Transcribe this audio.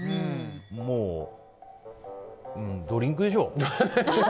もうドリンクでしょう。